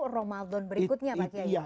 ramadan berikutnya pak cia